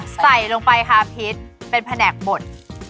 ใส่ลงไปค่ะพิษเป็นแผนกบด